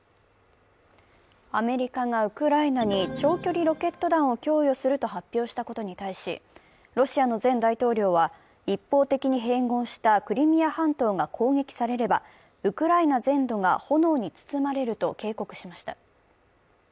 アメリカがウクライナに長距離ロケット弾を供与すると発表したことに対し、ロシアの前大統領は、一方的に併合したクリミア半島が攻撃されれば、ウクライナ全土が炎に包まれると警告しました。